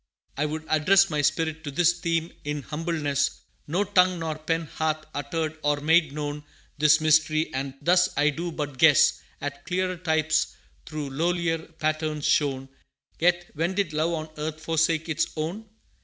I would address My spirit to this theme in humbleness No tongue nor pen hath uttered or made known This mystery, and thus I do but guess At clearer types through lowlier patterns shown; Yet when did Love on earth forsake its own?